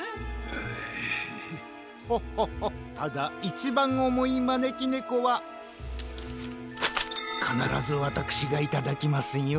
ただいちばんおもいまねきねこはかならずわたくしがいただきますよ。